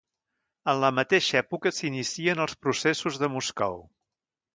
En la mateixa època s'inicien els Processos de Moscou.